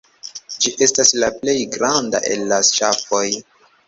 Ĝi estas la plej granda el la ŝafoj.